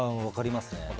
分かりますね。